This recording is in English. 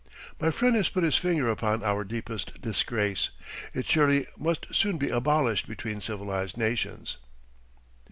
My friend has put his finger upon our deepest disgrace. It surely must soon be abolished between civilized nations.